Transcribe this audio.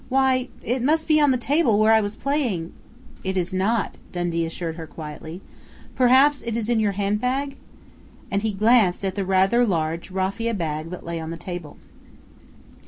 "Why it must be on the table where I was playing " "It is not," Dundee assured her quietly. "Perhaps it is in your handbag?" and he glanced at the rather large raffia bag that lay on the table.